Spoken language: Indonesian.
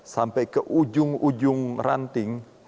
sampai ke ujung ujung ranting